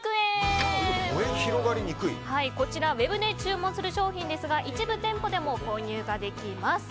こちら、ウェブで注文する商品ですが一部店舗でも購入できます。